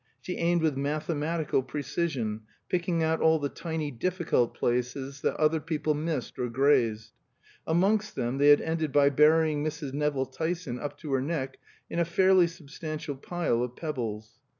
She aimed with mathematical precision, picking out all the tiny difficult places that other people missed or grazed. Amongst them they had ended by burying Mrs. Nevill Tyson up to her neck in a fairly substantial pile of pebbles.